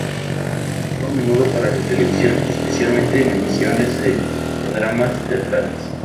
Actuó a menudo para la televisión, especialmente en emisiones de dramas teatrales.